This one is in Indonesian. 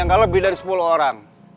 angka lebih dari sepuluh orang